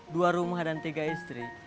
dua rumah dan tiga istri